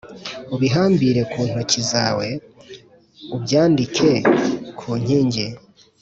Ubihambire ku ntoki zawe ubyandike ku nkingi